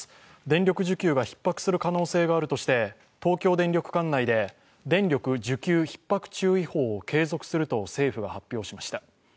電力需給がひっ迫する可能性があるとして東京電力管内で電力需給ひっ迫注意報を継続すると政府が発表しました。